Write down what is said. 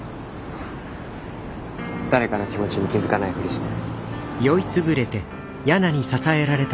誰かの気持ちに気付かないふりして。